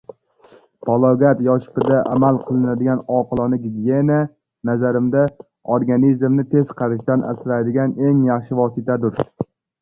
Palogat yoshpda amal qilinadigan oqilona gigiyena, nazarimda, organizmni tez qarishdan asraydigan eng yaxshi vositadir.